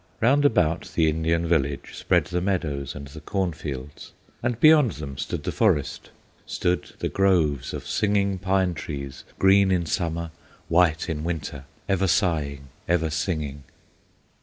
Round about the Indian village Spread the meadows and the corn fields, And beyond them stood the forest, Stood the groves of singing pine trees, Green in Summer, white in Winter, Ever sighing, ever singing.